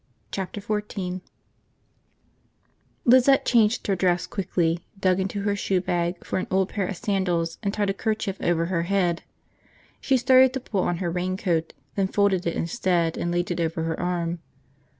Chapter Fourteen LIZETTE changed her dress quickly, dug into her shoe bag for an old pair of sandals, and tied a kerchief over her head. She started to pull on her raincoat, then folded it instead and laid it over her arm.